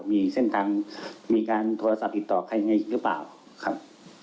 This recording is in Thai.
มีเส้นทางมีการโทรศัพท์ติดต่อใครยังไงหรือเปล่าครับ